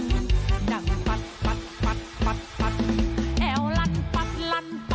คุณตัวมันคุณชีสาครับผม